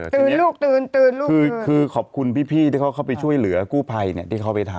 ลูกตื่นตื่นลูกคือคือขอบคุณพี่ที่เขาเข้าไปช่วยเหลือกู้ภัยเนี่ยที่เขาไปทำ